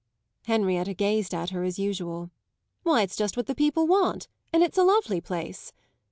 Henrietta gazed at her as usual. "Why, it's just what the people want, and it's a lovely place."